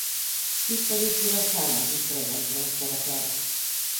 Itt először a Star Magic Presents-ben szerepelt.